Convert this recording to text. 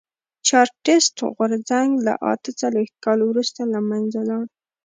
چارټېست غورځنګ له اته څلوېښت کال وروسته له منځه لاړ.